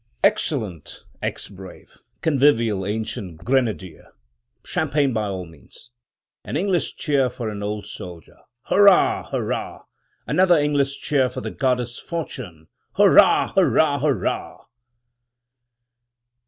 Excellent ex brave! Convivial ancient grenadier! Champagne by all means! An English cheer for an old soldier! Hurrah! hurrah! Another English cheer for the goddess Fortune! Hurrah! hurrah! hurrah!